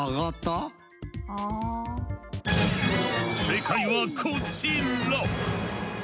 正解はこちら！